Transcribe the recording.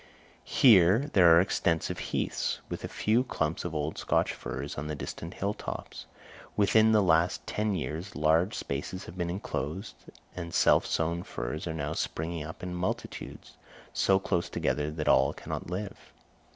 Here there are extensive heaths, with a few clumps of old Scotch firs on the distant hill tops: within the last ten years large spaces have been enclosed, and self sown firs are now springing up in multitudes, so close together that all cannot live.